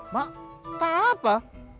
mak tak apa